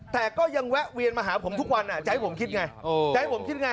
แต่ก็ยังแวะเวียนมาหาผมทุกวันจะให้ผมคิดไง